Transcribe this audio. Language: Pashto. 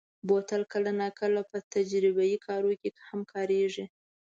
بوتل کله ناکله په تجربهيي کارونو کې هم کارېږي.